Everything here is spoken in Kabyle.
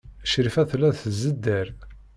Crifa tella tzedder.